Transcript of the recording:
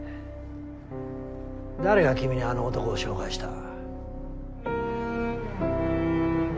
誰が君にあの男を紹介した？